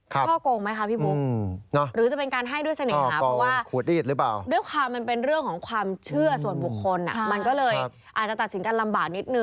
ท่อโกงไหมคะพี่บุ๊คหรือจะเป็นการให้ด้วยเสน่ห์ครับ